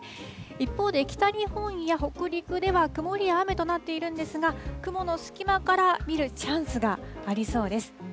一方で、北日本や北陸では曇りや雨となっているんですが、雲の隙間から見るチャンスがありそうです。